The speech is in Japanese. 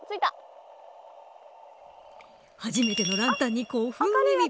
初めてのランタンに興奮気味。